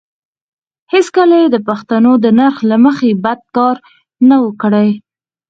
هېڅکله یې د پښتنو د نرخ له مخې بد کار نه وو کړی.